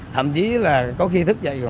thậm chí là có khi thức dậy